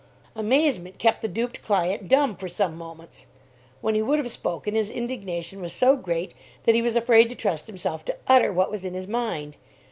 Amazement kept the duped client dumb for some moments. When he would have spoken, his indignation was so great that he was afraid to trust himself to utter what was in his mind.